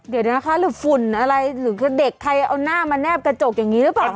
เดี๋ยวนะคะหรือฝุ่นอะไรหรือเด็กใครเอาหน้ามาแนบกระจกอย่างนี้หรือเปล่า